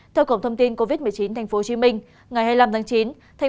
theo cổng thông tin covid một mươi chín tp hcm ngày hai mươi năm tháng chín